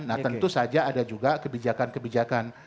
nah tentu saja ada juga kebijakan kebijakan